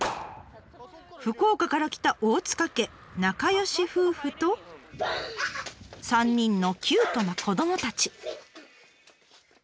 福岡から来た大塚家仲良し夫婦と３人のキュートな子どもたち。